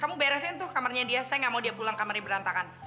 kamu beresin tuh kamarnya dia saya nggak mau dia pulang kamarnya berantakan